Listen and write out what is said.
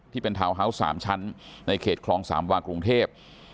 ที่เป็นทาวน์ฮาวส์๓ชั้นในเขตคลอง๓บางกรุงเทพ